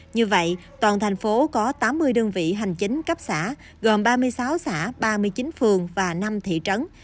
như vậy toàn thành phố có tám mươi đơn vị hành chính cấp xã gồm ba mươi sáu xã ba mươi chín phường và năm thị trấn